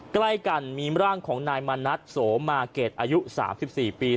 ใกล้กันมีร่างของนายมณัฐโสมาเกรดอายุ๓๔ปี